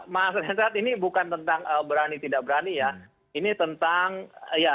mas ini bukan tentang berani tidak berani ya